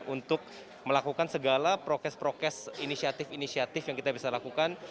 untuk melakukan segala prokes prokes inisiatif inisiatif yang kita bisa lakukan